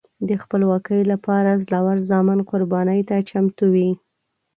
د خپلواکۍ لپاره زړور زامن قربانۍ ته چمتو وي.